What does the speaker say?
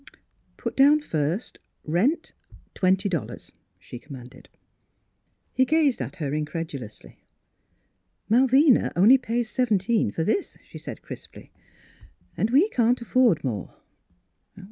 " Put down first, rent twenty dollars," she commanded. He gazed at her incredulously. " Malvina only pays seventeen for " Miss Philura's Wedding Govsn this," she said crisply, " and we can't af ford more."